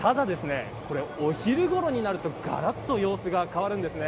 ただ、お昼ごろになるとがらっと様子が変わります。